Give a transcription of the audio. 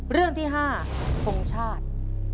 เรื่องที่ห้าคงชาติ